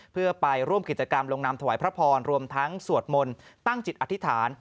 เพื่อไปร่วมกิจกรรมลงนามถวายพระพรรวมทั้งสวดมนต์ตั้งจิตอธิษฐาน